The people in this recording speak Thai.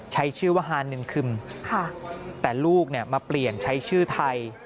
ใช้ชื่อว่าฮานินคึมแต่ลูกมาเปลี่ยนใช้ชื่อไทย